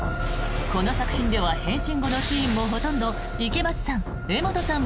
この作品では変身後のシーンもほとんど池松さん、柄本さん